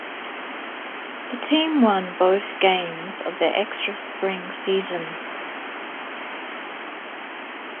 The team won both games of their extra spring season.